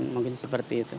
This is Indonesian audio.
mungkin seperti itu